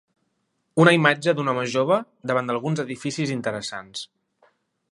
Una imatge d'un home jove davant d'alguns edificis interessants.